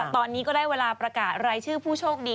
ตอนนี้ก็ได้เวลาประกาศรายชื่อผู้โชคดี